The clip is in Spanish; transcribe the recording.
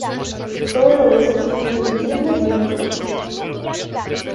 Todo lo de esa tienda es de mírame y no me toques